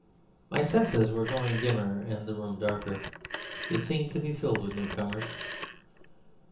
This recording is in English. My senses were growing dimmer and the room darker. It seemed to be filled with newcomers.